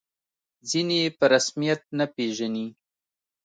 ځینې یې په رسمیت نه پېژني.